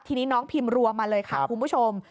ทีนี้น้องพิมพ์รัวมาเลยค่ะคุณผู้ชม